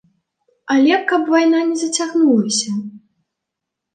Але каб вайна не зацягнулася.